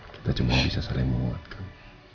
kita cuma bisa saling menguatkan